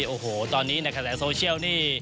โอ้โหตอนนี้ในกระแสโซเชียลนี่